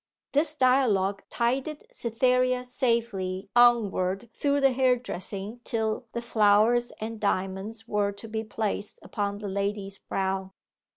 This dialogue tided Cytherea safely onward through the hairdressing till the flowers and diamonds were to be placed upon the lady's brow.